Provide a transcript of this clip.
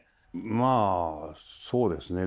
まあそうですね。